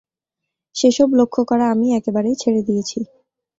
সে সব লক্ষ্য করা আমি একেবারেই ছেড়ে দিয়েছি।